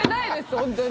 本当に。